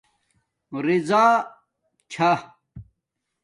راضآ چھا